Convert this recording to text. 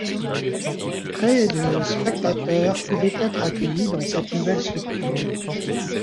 Près de spectateurs pouvaient être accueillis dans cette nouvelle structure.